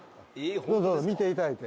どうぞ見ていただいて。